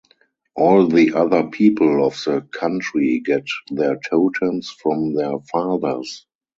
All the other people of the country get their totems from their fathers.